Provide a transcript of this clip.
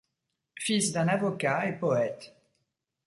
Fils d'un avocat et poète.